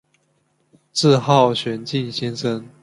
自号玄静先生。